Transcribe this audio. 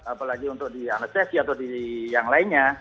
apalagi untuk di anestesi atau di yang lainnya